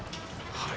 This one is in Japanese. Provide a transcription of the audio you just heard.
はい。